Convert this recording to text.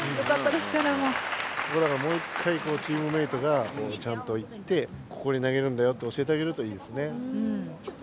だからここもう一回チームメートがちゃんと言ってここに投げるんだよと教えてあげるといいですね。